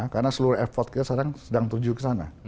karena seluruh usaha kita sedang menuju ke sana